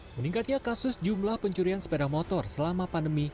meningkatnya kasus jumlah pencurian sepeda motor selama pandemi